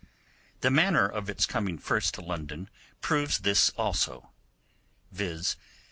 The manner of its coming first to London proves this also, viz.